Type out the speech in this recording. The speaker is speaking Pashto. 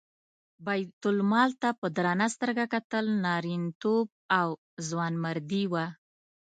بیت المال ته په درنه سترګه کتل نارینتوب او ځوانمردي وه.